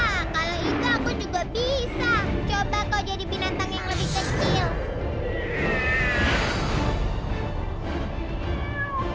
ya kalau itu aku juga bisa coba kok jadi binatang yang lebih kecil